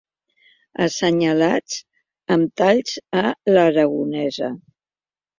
Assenyalats amb talls a l'aragonesa.